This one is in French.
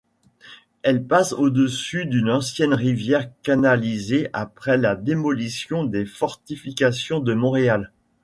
Elle passe au-dessus d'une ancienne rivière canalisée après la démolition des fortifications de Montréal.